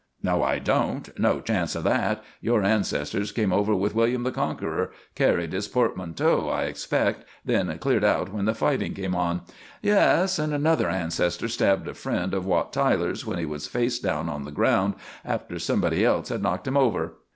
"No, I don't no chance of that. Your ancestors came over with William the Conqueror carried his portmanteau, I expect, then cleared out when the fighting came on. Yes, and another ancestor stabbed a friend of Wat Tyler's when he was face down on the ground, after somebody else had knocked him over.